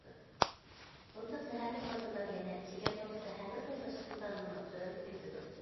بۇنداق زەھەرلىك ماددىلار يەنە جىگەرنىڭ زەھەرنى تازىلاش ئىقتىدارىنىمۇ تۆۋەنلىتىۋېتىدۇ.